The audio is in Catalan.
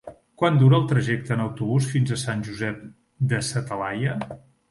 Quant dura el trajecte en autobús fins a Sant Josep de sa Talaia?